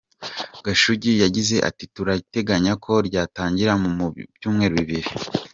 Gashugi yagize ati “Turateganya ko ryatangira mu byumweru bibiri.